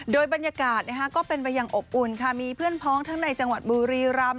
โดยบรรยากาศก็เป็นไปอย่างอบอุ่นค่ะมีเพื่อนพ้องทั้งในจังหวัดบุรีรำ